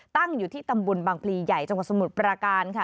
ตั้งอยู่ที่ตำบลบางพลีใหญ่จังหวัดสมุทรปราการค่ะ